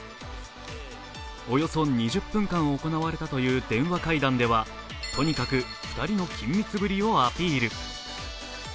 およそ２０分間行われたという電話会談では、とにかく２人の緊密ぶりをアピール。